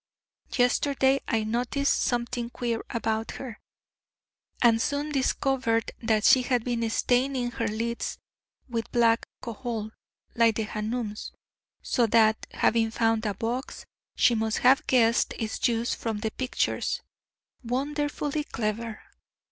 Yesterday I noticed something queer about her, and soon discovered that she had been staining her lids with black kohol, like the hanums, so that, having found a box, she must have guessed its use from the pictures. Wonderfully clever!